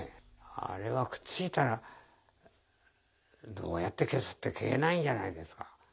あれはくっついたらどうやって消すって消えないんじゃないですか。